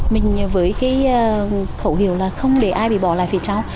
mình với cái khẩu hiệu là không để ai bị bỏ lại phía sau